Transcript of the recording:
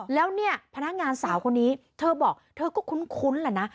แล้วเนี่ยพนักงานสาวคนนี้เธอบอกเธอก็คุ้นแหละนะ